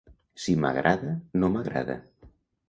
Si m'agrada, no m'agrada.